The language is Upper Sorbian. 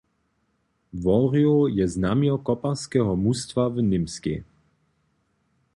Worjoł je znamjo koparskeho mustwa w Němskej.